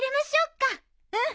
うん！